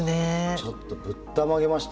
ちょっとぶったまげました。